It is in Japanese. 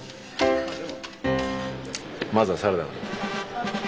まずはサラダから。